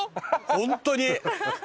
本当に。